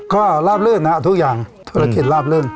ก็ราบลื่นนะฮะทุกอย่างธุรกิจลาบลื่น